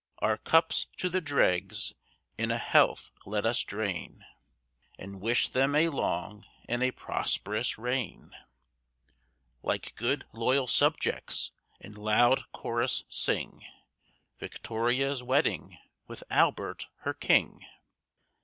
Our cups to the dregs in a health let us drain, And wish them a long and a prosperous reign; Like good loyal subjects in loud chorus sing Victoria's wedding with Albert her King.